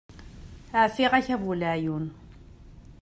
Ɛfiɣ-ak a bu leɛyun.